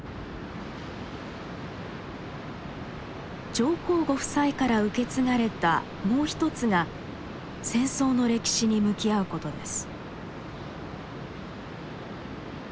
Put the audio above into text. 上皇ご夫妻から受け継がれたもう一つが戦争の歴史に向き合うことです。